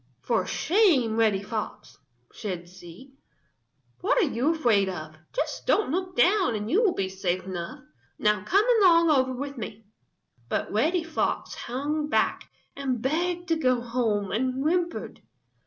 "For shame, Reddy Fox!" said she. "What are you afraid of? Just don't look down and you will be safe enough. Now come along over with me." But Reddy Fox hung back and begged to go home and whimpered.